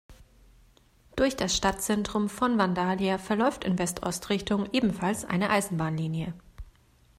Durch das Stadtzentrum von Vandalia verläuft in West-Ost-Richtung ebenfalls eine Eisenbahnlinie.